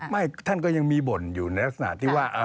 ท่านก็ยังมีบ่นอยู่ในลักษณะที่ว่า